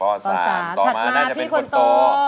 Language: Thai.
๓ต่อมาน่าจะเป็นคนโต